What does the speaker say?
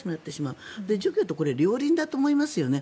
これ、除去と両輪だと思いますよね。